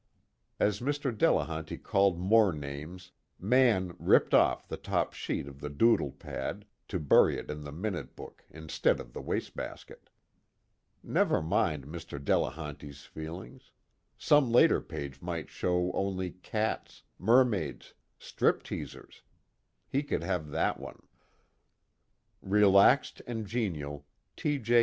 As Mr. Delehanty called more names, Mann ripped off the top sheet of the doodle pad, to bury it in the minute book instead of the wastebasket. Never mind Mr. Delehanty's feelings. Some later page might show only cats, mermaids, stripteasers he could have that one. Relaxed and genial, T. J.